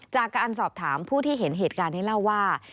จากการสอบถามผู้ที่เห็นเหตุการณ์นี้เล่าว่า